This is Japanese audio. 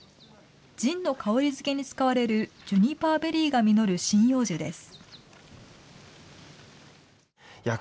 ジンの香りづけに使われるジュニパーベリーが実る針葉樹です。